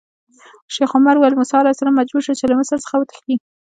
شیخ عمر ویل: موسی علیه السلام مجبور شو چې له مصر څخه وتښتي.